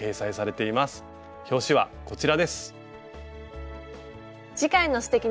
表紙はこちらです。